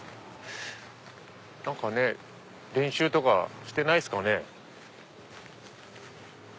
何かね練習とかしてないっすかね。